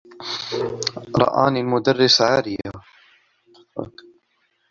رآني المدرّس عارية.